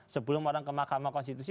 sebelum orang ke mahkamah konstitusi